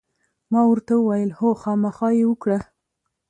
ما ورته وویل: هو، خامخا یې وکړه.